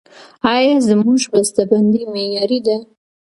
آیا زموږ بسته بندي معیاري ده؟